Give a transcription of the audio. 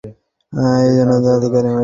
এজন্যই হত্যালীলায় নেমেছ তুমি?